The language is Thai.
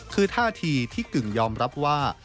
คือท่าทีที่กึ่งยอมรับว่า